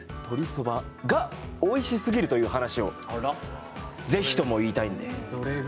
そばがおいしすぎるという話を是非とも言いたいんで。